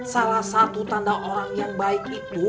salah satu tanda orang yang baik itu